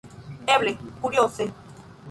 Eble kurioze!